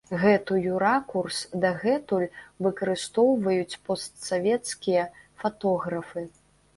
Гэтую ракурс дагэтуль выкарыстоўваюць постсавецкія фатографы.